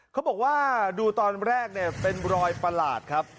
เขาบอกว่าดูตอนแรกเนี่ยเป็นรอยประหลาดครับ